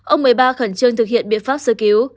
ông một mươi ba khẩn trương thực hiện biện pháp sơ cứu